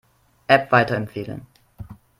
App weiterempfehlen.